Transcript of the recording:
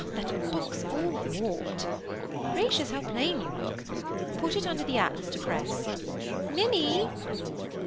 That book's all warped. (Gracious, how plain you look!) Put it under the Atlas to press. Minnie!"